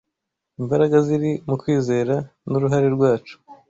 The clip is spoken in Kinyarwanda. Imbaraga ziri mu KWIZERA, n’uruhare rwacu